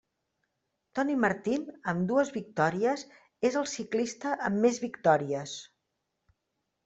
Tony Martin, amb dues victòries, és el ciclista amb més victòries.